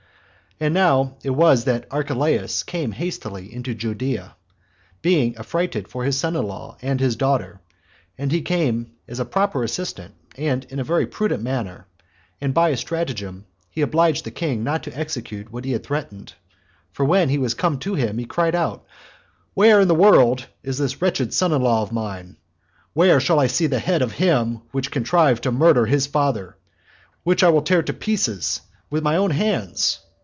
And now it was that Archelaus came hastily into Judea, as being affrighted for his son in law and his daughter; and he came as a proper assistant, and in a very prudent manner, and by a stratagem he obliged the king not to execute what he had threatened; for when he was come to him, he cried out, "Where in the world is this wretched son in law of mine? Where shall I see the head of him which contrived to murder his father, which I will tear to pieces with my own hands?